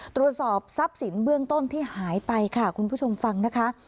ตรวจสอบทรัพย์สินเบื้องต้นที่หายไปค่ะคุณผู้ชมฟังนะคะ